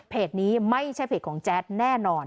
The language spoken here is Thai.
นี้ไม่ใช่เพจของแจ๊ดแน่นอน